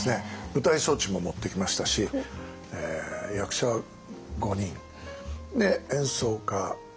舞台装置も持ってきましたし役者５人演奏家が１０人かな？